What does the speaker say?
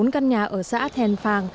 bốn căn nhà ở xã thèn phàng